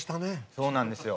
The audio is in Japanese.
そうなんですよ。